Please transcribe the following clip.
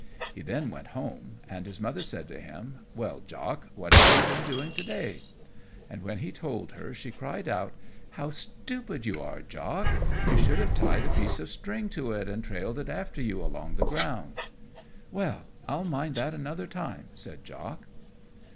He then went home, and his Mother said to him, "Well, Jock, what have you been doing to day?" And when he told her she cried out, "How stupid you are, Jock! you should have tied a piece of string to it and trailed it after you along the ground." "Well, I'll mind that another time," said Jock.